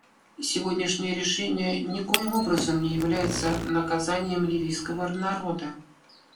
Сегодняшнее решение никоим образом не является наказанием ливийского народа.